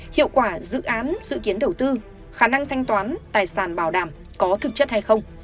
hiệu quả dự án dự kiến đầu tư khả năng thanh toán tài sản bảo đảm có thực chất hay không